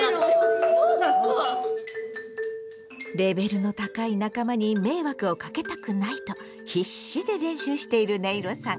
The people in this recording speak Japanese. レベルの高い仲間に迷惑をかけたくないと必死で練習しているねいろさん。